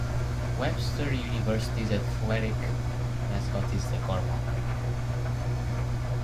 Webster University's athletic mascot is the Gorlok.